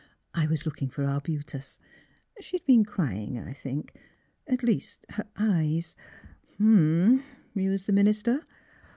I was looking for arbutus. She had been crying, I think. At least her eyes "'' H'm! " mused the minister.